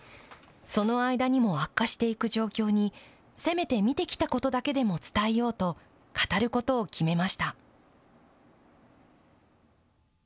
その間にも悪化していく状況に、せめて見てきたことだけでも伝えようと、語ることを決めました。